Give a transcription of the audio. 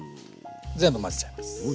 全部混ぜちゃいます。